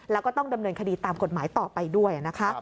แล้วก็ต้องดำเนินคดีตามกฎหมายต่อไปด้วยนะคะ